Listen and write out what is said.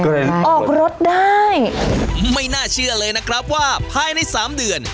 ออกรถได้ไม่น่าเชื่อเลยนะครับว่าภายในสามเดือน